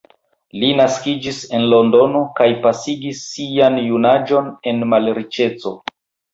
Li naskiĝis en Londono kaj pasigis sian junaĝon en malriĉeco.